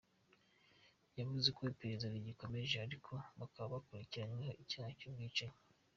Yavuze ko iperereza rigikomeje ariko bakaba bakurikiranyweho icyaha cy’ubwicanyi.